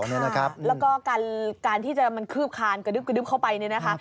แล้วก็การที่จะมันคืบคานกระดึ๊บกระดึบเข้าไปเนี่ยนะคะ